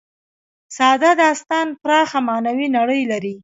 ساده داستان پراخه معنوي نړۍ لري.